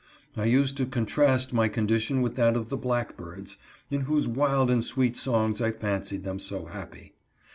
I used to contrast my condition with that of the black birds, in whose wild and sweet songs I fancied them so happy.